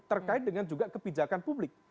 terkait dengan juga kebijakan publik